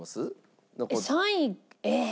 ３位えっ？